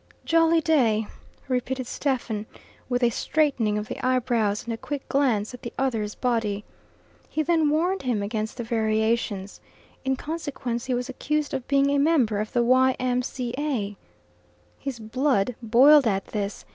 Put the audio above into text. "Jolly day," repeated Stephen, with a straightening of the eyebrows and a quick glance at the other's body. He then warned him against the variations. In consequence he was accused of being a member of the Y.M.C.A. His blood boiled at this.